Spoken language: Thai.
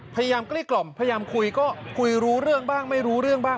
กลี้กล่อมพยายามคุยก็คุยรู้เรื่องบ้างไม่รู้เรื่องบ้าง